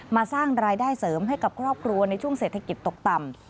สร้างรายได้เสริมให้กับครอบครัวในช่วงเศรษฐกิจตกต่ำ